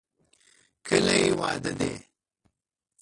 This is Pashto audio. کله یې واده دی؟